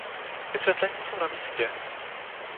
Vysvětlení jsou na místě.